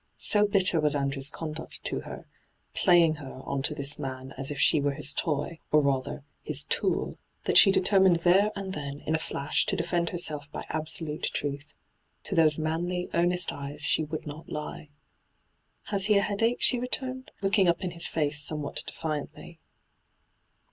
So bitter was Andrew's conduct to her —' playing her ' on to this man as if she were his toy, or, rather, his tool — that she determined there and then, in a flash, to defend herself by absolute truth. To those manly, earnest eyes she would not He. ' Has he a headache V she returned, looking up in his face somewhat defiantly.